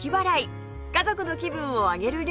家族の気分を上げる料理です